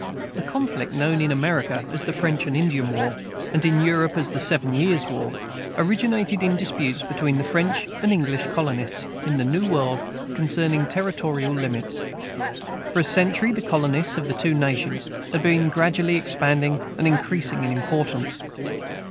The conflict known in America as the French and Indian War, and in Europe as the Seven Years' War, originated in disputes between the French and English colonists, in the New World, concerning territorial limits. For a century the colonies of the two nations had been gradually expanding and increasing in importance.